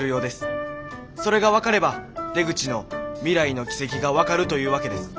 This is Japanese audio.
それが分かれば出口の未来の軌跡が分かるというわけです。